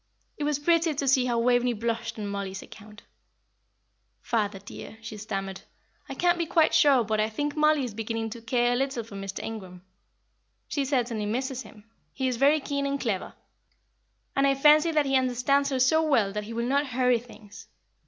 It was pretty to see how Waveney blushed on Mollie's account. "Father, dear," she stammered, "I can't be quite sure but I think Mollie is beginning to care a little for Mr. Ingram. She certainly misses him; he is very keen and clever, and I fancy that he understands her so well that he will not hurry things.